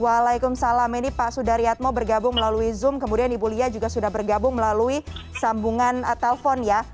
waalaikumsalam ini pak sudaryatmo bergabung melalui zoom kemudian ibu lia juga sudah bergabung melalui sambungan telpon ya